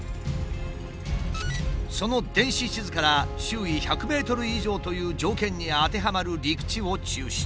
その電子地図から周囲１００ｍ以上という条件に当てはまる陸地を抽出。